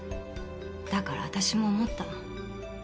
だから私も思った。